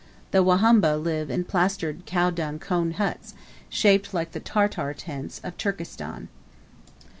The Wahumba live in plastered (cow dung) cone huts, shaped like the tartar tents of Turkestan.